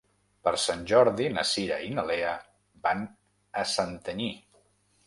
Per Sant Jordi na Cira i na Lea van a Santanyí.